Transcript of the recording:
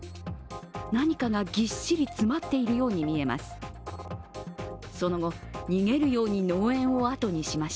何かがぎっしり詰まっているように見えます。